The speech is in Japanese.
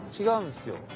違うんすよ。